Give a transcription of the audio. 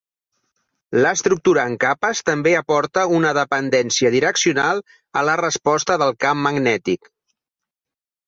L'estructura en capes també aporta una dependència direccional a la resposta del camp magnètic.